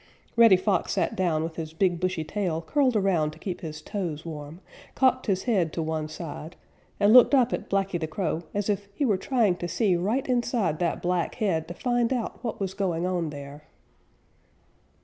Reddy Fox sat down with his big bushy tail curled around to keep his toes warm, cocked his head on one side, and looked up at Blacky the Crow as if he were trying to see right inside that black head to find out what was going on there.